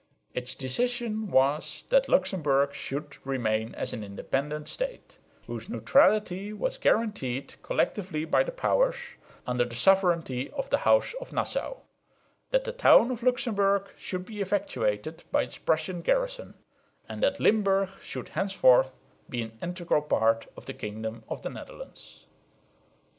Its decision was that Luxemburg should remain as an independent state, whose neutrality was guaranteed collectively by the Powers, under the sovereignty of the House of Nassau; that the town of Luxemburg should be evacuated by its Prussian garrison; and that Limburg should henceforth be an integral part of the kingdom of the Netherlands.